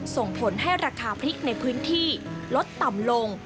ส่งผลให้ราคาพริกในพื้นที่ลดต่ำลง